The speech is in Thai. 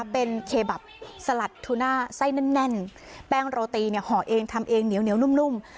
เป็นเคบับสลัดทุน่าไส้แน่นแน่นแป้งโรตีเนี่ยหอเองทำเองเหนียวเหนียวนุ่มนุ่ม